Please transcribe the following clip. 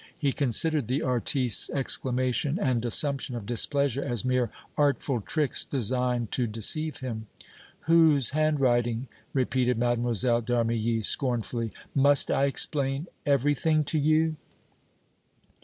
He considered the artiste's exclamation and assumption of displeasure as mere artful tricks designed to deceive him. "Whose handwriting?" repeated Mlle. d' Armilly; scornfully. "Must I explain everything to you?"